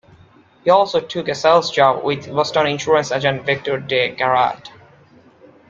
He also took a sales job with Boston insurance agent Victor De Gerard.